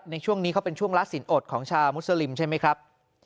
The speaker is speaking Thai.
ในช่วงนี้เขาเป็นช่วงละสินอดของชาวมุสลิมใช่ไหมครับ